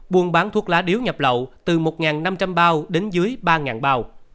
buôn bán thuốc lá điếu nhập lậu từ một năm trăm linh bao đến dưới ba bao